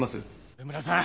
上村さん